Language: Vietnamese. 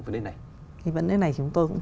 về nơi này vấn đề này chúng tôi cũng